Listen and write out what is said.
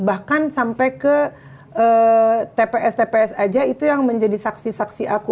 bahkan sampai ke tps tps aja itu yang menjadi saksi saksi aku